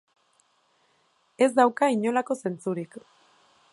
Ez dauka inolako zentzurik.